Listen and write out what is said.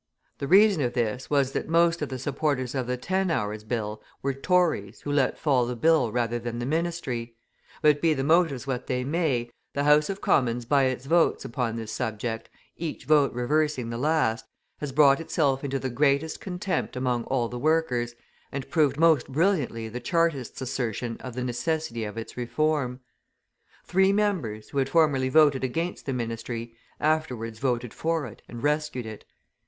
The reason of this was that most of the supporters of the Ten Hours' Bill were Tories who let fall the bill rather than the ministry; but be the motives what they may, the House of Commons by its votes upon this subject, each vote reversing the last, has brought itself into the greatest contempt among all the workers, and proved most brilliantly the Chartists' assertion of the necessity of its reform. Three members, who had formerly voted against the ministry, afterwards voted for it and rescued it.